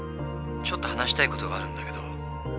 ちょっと話したいことがあるんだけど。